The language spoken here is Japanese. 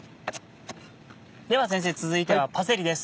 では先生続いてはパセリです。